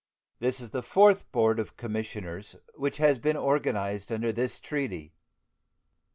This is the fourth board of commissioners which has been organized under this treaty.